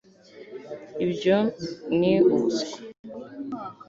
ibyo ni ubuswa